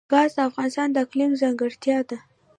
ګاز د افغانستان د اقلیم ځانګړتیا ده.